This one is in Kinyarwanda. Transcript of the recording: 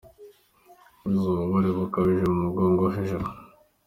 Kugira ububabare bukabije mu mugongo wo hejuru:.